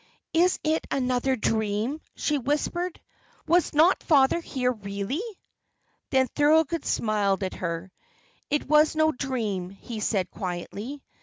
"Is it another dream?" she whispered. "Was not father here really?" Then Thorold smiled at her. "It was no dream," he said, quietly.